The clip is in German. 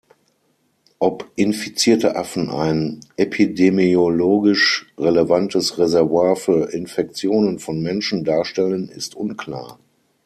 Ob infizierte Affen ein epidemiologisch relevantes Reservoir für Infektionen von Menschen darstellen ist unklar.